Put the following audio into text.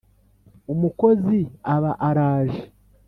umukozi aba araje